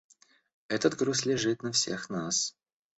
Этот груз лежит на всех нас.